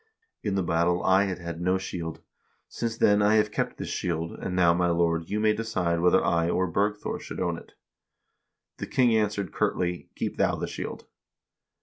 In the battle I had had no shield. Since then I have kept this shield, and now, my lord, you may decide whether I or Bergthor should own it.' The king answered curtly : 'Keep thou the shield.'